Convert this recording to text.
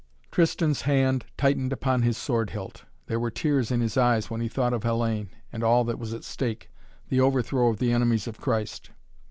Tristan's hand tightened upon his sword hilt. There were tears in his eyes when he thought of Hellayne and all that was at stake, the overthrow of the enemies of Christ.